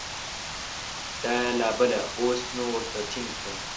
دا یې لا بله ، اوس نو ورته ټینګ شه !